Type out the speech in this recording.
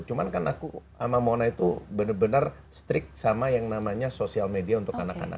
cuman kan aku sama mona itu benar benar strict sama yang namanya sosial media untuk anak anak